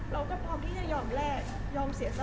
เราก็พร้อมที่จะยอมแลกยอมเสียสอ